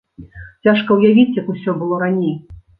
Цяжка ўявіць, як усё было раней.